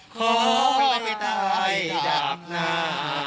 ขอไม่ตายดาบหนา